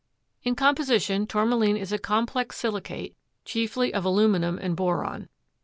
In composition Tourmaline is a complex silicate chiefly of aluminum and boron.